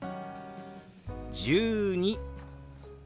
「１２」。